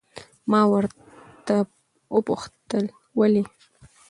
ما ورته وپوښتل ولې؟